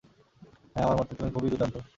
হ্যাঁ, আমার মতে তুমি খুবই দুর্দান্ত।